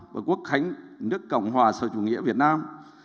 và quốc khánh nước cộng hòa sau chủ nghĩa việt nam